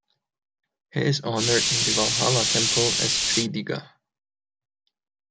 He is honored in the Walhalla temple as "Friediger".